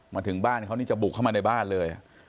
มาถึงบ้านเขานี่จะบุกเข้ามาในบ้านเลย